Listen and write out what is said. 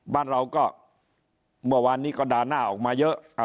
บ้านเราก็เมื่อวานนี้ก็ด่าหน้าออกมาเยอะ